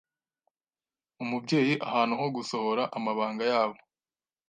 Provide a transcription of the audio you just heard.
umubyeyi ahantu ho gusohora amabanga yabo